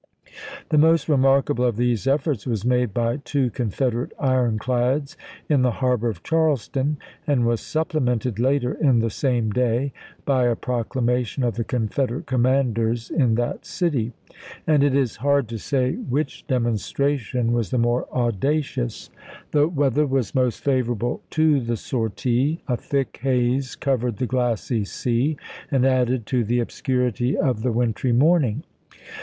ai86331' The most remarkable of these efforts was made by two Confederate ironclads in the harbor of Charleston, and was supplemented later in the same day by a proclamation of the Confederate commanders in that city; and it is hard to say which demonstration was the more audacious. The 68 DU PONT BEFOBE CHARLESTON 59 weather was most favorable to the sortie ; a thick chap. m. haze covered the glassy sea and added to the ob scurity of the wintry morning.